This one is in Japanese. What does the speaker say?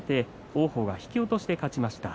王鵬が引き落としで勝ちました。